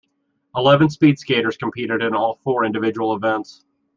Eleven speed skaters competed in all four individual events.